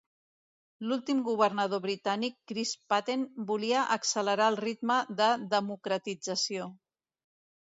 L'últim governador britànic Chris Patten volia accelerar el ritme de democratització.